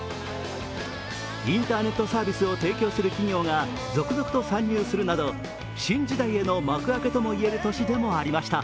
インターネットサービスを提供する企業が続々と参入するなど新時代への幕開けとも言える年でもありました。